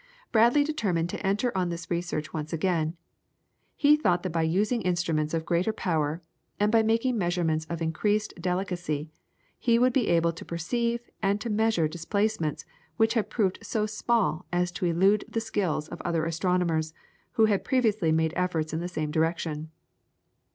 Bradley determined to enter on this research once again; he thought that by using instruments of greater power, and by making measurements of increased delicacy, he would be able to perceive and to measure displacements which had proved so small as to elude the skill of the other astronomers who had previously made efforts in the same direction.